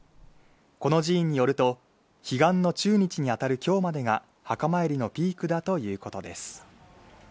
この寺院によると、彼岸の中日にあたる今日までが墓参りのピークだということです。